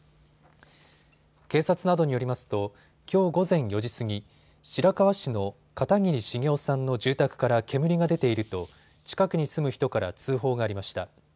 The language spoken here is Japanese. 警察などによりますときょう午前４時過ぎ、白河市の片桐重男さんの住宅から煙が出ていると近くに住む人から通報がありました。